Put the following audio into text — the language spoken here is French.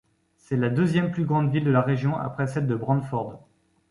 C'est la deuxième plus grande ville de la région après celle de Brantford.